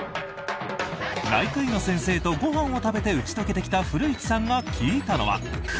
内科医の先生とご飯を食べて打ち解けてきた古市さんが聞いたのは。